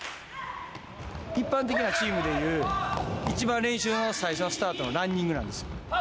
一般的なチームでいう、一番、練習の最初のスタートはランニングなんですよ。